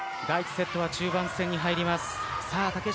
第１セットは中盤戦に入ります。